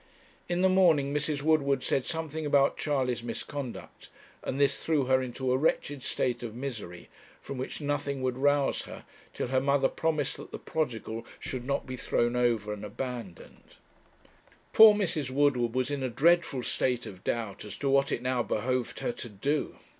In the morning, Mrs. Woodward said something about Charley's misconduct, and this threw her into a wretched state of misery, from which nothing would rouse her till her mother promised that the prodigal should not be thrown over and abandoned. Poor Mrs. Woodward was in a dreadful state of doubt as to what it now behoved her to do.